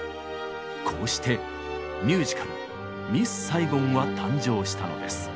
こうしてミュージカル「ミス・サイゴン」は誕生したのです。